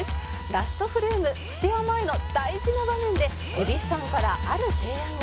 「ラストフレームスペア前の大事な場面で蛭子さんからある提案が」